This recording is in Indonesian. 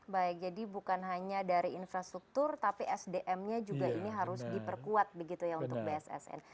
baik jadi bukan hanya dari infrastruktur tapi sdm nya juga ini harus diperkuat begitu ya untuk bssn